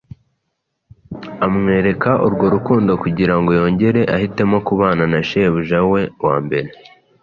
amwereka urwo rukundo kugira ngo yongere ahitemo kubana na shebuja we wa mbere,